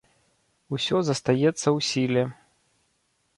Усё застаецца ў сіле.